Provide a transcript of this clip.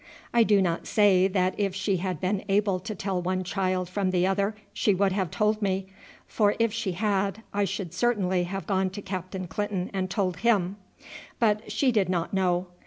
I do not say that if she had been able to tell one child from the other she would have told me, for if she had I should certainly have gone to Captain Clinton and told him; but she did not know.